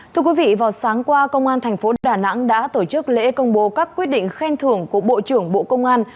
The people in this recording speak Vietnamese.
thưa quý vị vào sáng qua công an thành phố đà nẵng đã tổ chức lễ công bố các quyết định khen thưởng của bộ trưởng bộ công an